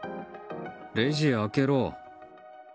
レジ開けろ。